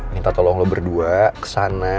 minta tolong lo berdua kesana